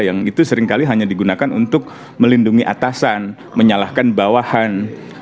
yang itu seringkali hanya digunakan untuk melindungi atasan menyalahkan bawahan